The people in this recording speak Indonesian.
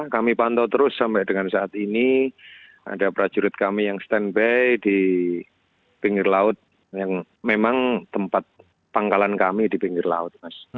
kami pantau terus sampai dengan saat ini ada prajurit kami yang stand by di pinggir laut yang memang tempat pangkalan kami di pinggir laut